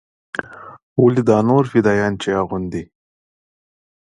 ولې دا نور فدايان چې يې اغوندي.